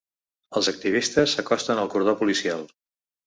Els activistes s'acosten al cordó policial.